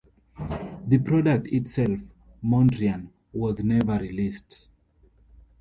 The product itself, Mondrian, was never released.